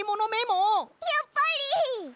やっぱり！